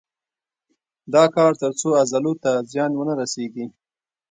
دا کار تر څو عضلو ته زیان ونه رسېږي.